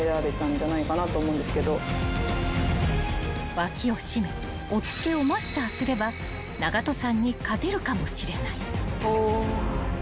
［脇をしめおっつけをマスターすれば長門さんに勝てるかもしれない］